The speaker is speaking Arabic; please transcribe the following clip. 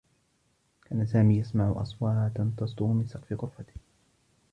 كان سامي يسمع أصوات تصدر من سقف غرفته.